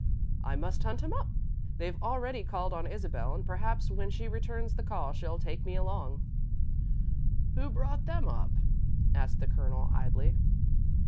"I must hunt 'em up. They've already called on Isabel, and perhaps, when she returns the call, she'll take me along." "Who brought them up?" asked the Colonel idly.